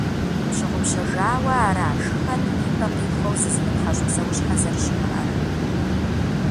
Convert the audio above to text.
Пщыгъупщэжауэ ара шхэным ипэ къихуэу зызымытхьэщӀ псэущхьэ зэрыщымыӀэр?